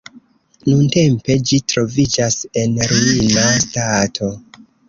Nuntempe ĝi troviĝas en ruina stato.